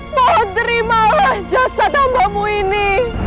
mohon terimalah jasa damamu ini